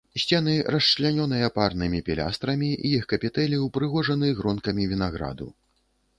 Сцены расчлянёныя парнымі пілястрамі, іх капітэлі ўпрыгожаны гронкамі вінаграду.